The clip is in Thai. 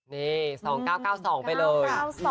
นี่๒๙๙๒ไปเลย